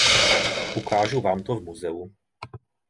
Ukážu vám to v muzeu.